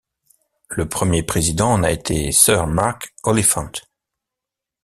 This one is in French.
Le premier président en a été Sir Mark Oliphant.